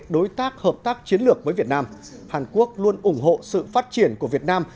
đối tác hợp tác chiến lược với việt nam hàn quốc luôn ủng hộ sự phát triển của việt nam